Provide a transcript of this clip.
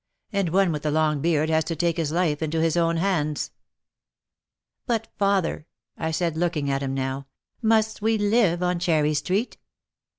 And one with a long beard has to take his life into his own hands." "But, father," I said, looking at him now, "must we live on Cherry Street?"